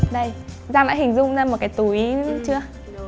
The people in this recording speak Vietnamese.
đây giang đã hình dung ra một cái túi chưa